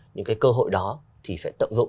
những cái cơ hội đó thì sẽ tậm dụng